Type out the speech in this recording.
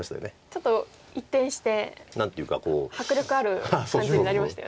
ちょっと一転して迫力ある感じになりましたよね。